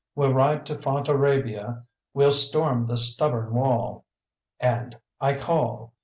We'll ride to Fontarabia, we'll storm the stubborn wall, And I call.